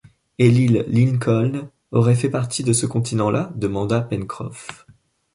Et l’île Lincoln aurait fait partie de ce continent-là demanda Pencroff.